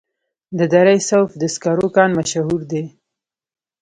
د دره صوف د سکرو کان مشهور دی